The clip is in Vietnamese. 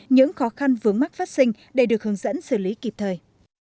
những khó khăn vướng mắc phát sinh để được hướng dẫn xử lý kịp thời